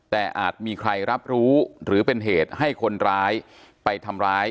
แต่อาจมีใครรับรู้หรือเป็นเหตุให้คนร้ายไปทำร้าย